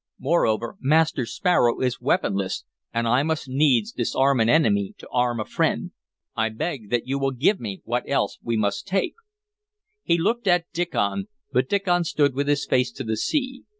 Moreover, Master Sparrow is weaponless, and I must needs disarm an enemy to arm a friend. I beg that you will give what else we must take." He looked at Diccon, but Diccon stood with his face to the sea.